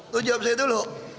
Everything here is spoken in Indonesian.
tuh jawab saya dulu